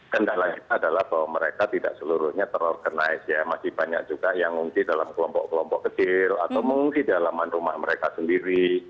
kendalanya adalah bahwa mereka tidak seluruhnya terorganize ya masih banyak juga yang mengungsi dalam kelompok kelompok kecil atau mengungsi dalaman rumah mereka sendiri